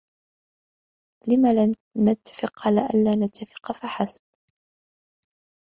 لمَ لا نتّفق على ألّا نتّفق فحسب؟